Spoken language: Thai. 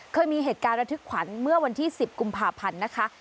เคยมีเหตุการณ์ระทึกขวัญเมื่อวันที่๑๐กุมภาพันธ์นะคะ